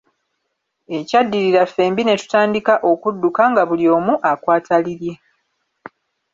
Ekyaddirira ffembi ne tutandika okudduka nga buli omu akwata lirye.